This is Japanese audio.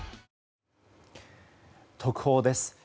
特報です。